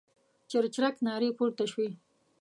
چرچرک نارې پورته شوې.